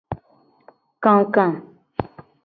Kaka.